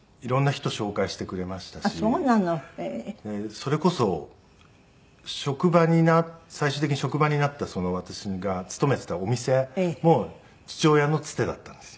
それこそ最終的に職場になった私が勤めていたお店も父親のツテだったんですよ。